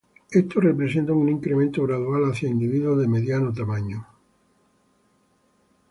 Esto representa un incremento gradual hacia individuos de mediano tamaño.